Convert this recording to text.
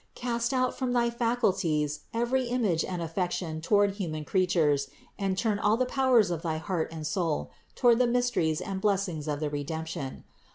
Cast out from thy faculties every image and affection toward human creatures and turn all the powers of thy heart and soul toward the mysteries and blessings of the Redemption.